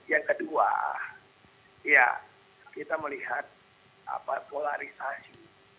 yang kedua ya kita melihat polarisasi